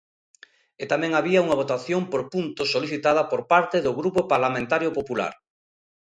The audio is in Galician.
E tamén había unha votación por puntos solicitada por parte do Grupo Parlamentario Popular.